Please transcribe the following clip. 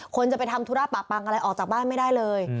คนจะไปทำธุระปะปังอะไรออกจากบ้านไม่ได้เลย